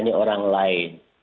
melayani orang lain